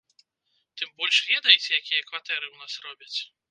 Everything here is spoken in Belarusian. Тым больш, ведаеце, якія кватэры ў нас робяць?